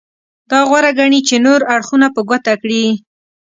دا غوره ګڼي چې نور اړخونه په ګوته کړي.